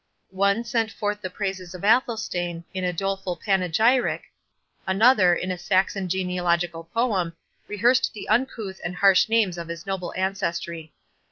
58 One sent forth the praises of Athelstane in a doleful panegyric; another, in a Saxon genealogical poem, rehearsed the uncouth and harsh names of his noble ancestry.